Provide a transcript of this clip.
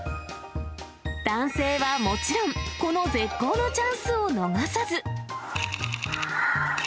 男性はもちろん、この絶好のチャンスを逃さず。